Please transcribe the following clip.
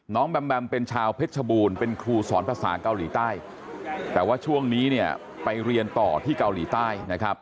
แบมแมมเป็นชาวเพชรชบูรณ์เป็นครูสอนภาษาเกาหลีใต้แต่ว่าช่วงนี้เนี่ยไปเรียนต่อที่เกาหลีใต้นะครับ